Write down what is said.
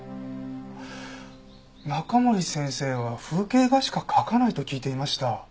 中森先生は風景画しか描かないと聞いていました。